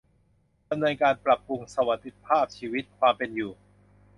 ดำเนินการปรับปรุงสวัสดิภาพชีวิต ความเป็นอยู่